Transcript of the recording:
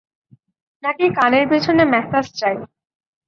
নাকি কানের পেছনে ম্যাসাজ চাই?